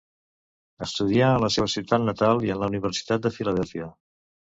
Estudià en la seva ciutat natal i en la Universitat de Filadèlfia.